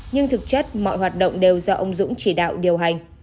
nhưng thực chất mọi hoạt động đều do ông dũng chỉ đạo điều hành